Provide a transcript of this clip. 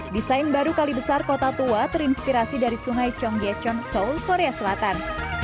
desain baru kalibesar kota tua terinspirasi dari sungai chongyecheon seoul korea selatan